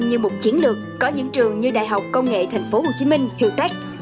như một chiến lược có những trường như đại học công nghệ tp hcm hiệu tech